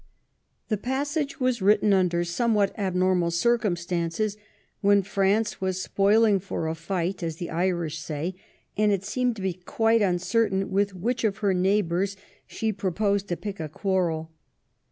The passage was written under somewhat abnormal circamstances, when France was spoiling for a fight,'* as the Irish say, and it seemed to be quite uncertain with which of her neighbours she proposed to pick a quarrel.